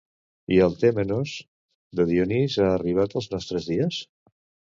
I el tèmenos de Dionís ha arribat als nostres dies?